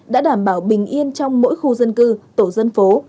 đã đảm bảo bình yên trong mỗi khu dân cư tổ dân phố